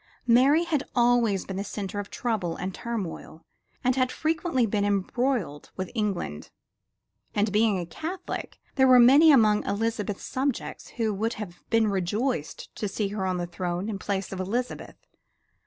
Mary had always been the center of trouble and turmoil and had frequently been embroiled with England; and being a Catholic there were many among Elizabeth's subjects who would have been rejoiced to see her on the throne in place of Elizabeth.